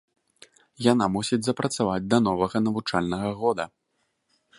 Яна мусіць запрацаваць да новага навучальнага года.